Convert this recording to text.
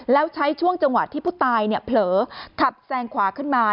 แล้วใช้ช่วงจังหวะที่ผู้ตายเนี่ยเผลอขับแซงขวาขึ้นมา